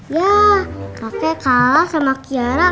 ya kakek kalah sama kiara